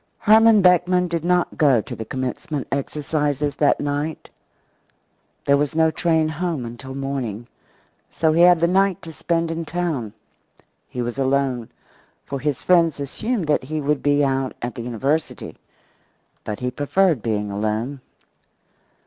Herman Beckman did not go to the commencement exercises that night. There was no train home until morning, so he had the night to spend in town. He was alone, for his friends assumed that he would be out at the university. But he preferred being alone.